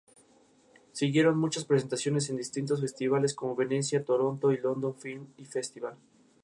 El alcalde es elegido por la Asamblea de la Ciudad.